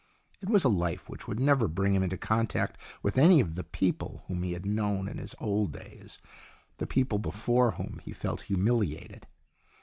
It was a life which would never bring him into contact with any of the people whom he had known in his old days the people before whom he felt humiliated.